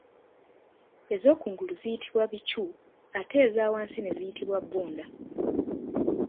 Ez'okungulu ziyitibwa bicu ate eza wansi ne ziyitibwa bbonda.